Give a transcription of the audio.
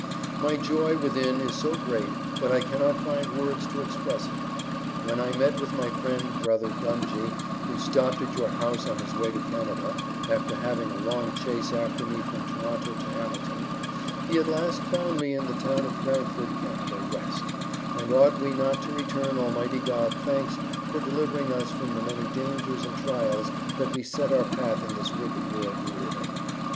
My joy within is so great that I cannot find words to express it. When I met with my friend brother Dungy who stopped at your house on his way to Canada after having a long chase after me from Toronto to Hamilton he at last found me in the town of Brantford Canada West and ought we not to return Almighty God thanks for delivering us from the many dangers and trials that beset our path in this wicked world we live in.